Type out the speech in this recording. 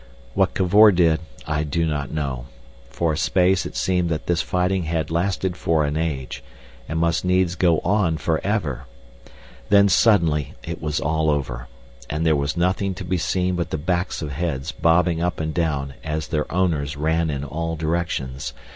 What Cavor did I do not know. For a space it seemed that this fighting had lasted for an age, and must needs go on for ever. Then suddenly it was all over, and there was nothing to be seen but the backs of heads bobbing up and down as their owners ran in all directions....